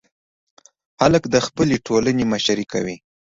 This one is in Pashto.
هلک د خپلې ټولنې مشري کوي.